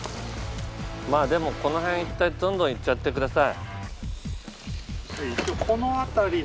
まあでもこの辺一帯どんどんいっちゃってください。